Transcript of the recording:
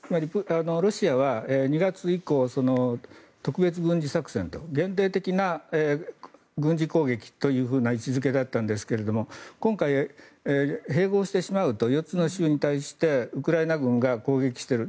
ロシアは２月以降特別軍事作戦と限定的な軍事攻撃という位置付けだったんですが今回、併合してしまうと４つの州に対してウクライナ軍が攻撃している。